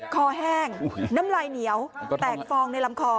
แห้งน้ำลายเหนียวแตกฟองในลำคอ